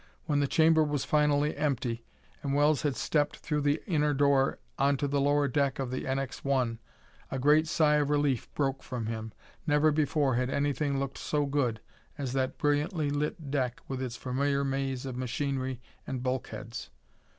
When the chamber was finally empty, and Wells had stepped through the inner door onto the lower deck of the NX 1, a great sigh of relief broke from him. Never before had anything looked so good as that brilliantly lit deck with its familiar maze of machinery and bulkheads.